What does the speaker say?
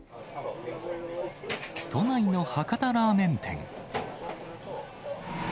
都内の博多ラーメン店。